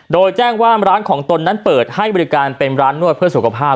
โดยแจ้งว่าร้านของตนนั้นเปิดให้บริการเป็นร้านนวดเพื่อสุขภาพ